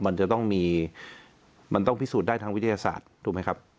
มันจะต้องมีมันต้องพิสูจน์ได้ทางวิทยาศาสตร์ถูกไหมครับ